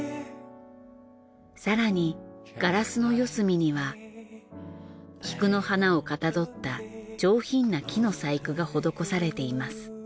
更にガラスの四隅には菊の花をかたどった上品な木の細工が施されています。